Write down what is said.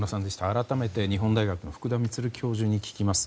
改めて、日本大学の福田満教授に聞きます。